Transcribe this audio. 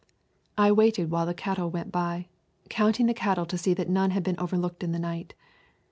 I waited while the drove went by, counting the cattle to see that none had been overlooked in the night.